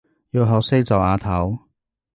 要學識做阿頭